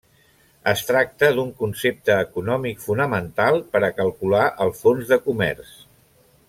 Es tracta d'un concepte econòmic fonamental per a calcular el fons de comerç.